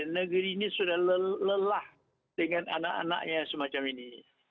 negeri ini sudah lelah dengan anak anaknya semacam ini